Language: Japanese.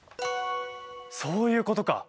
そういうことか。